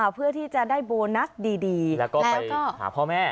เพื่อที่จะได้โบนัสดีแล้วก็ไปหาพ่อแม่